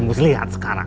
kamu harus liat sekarang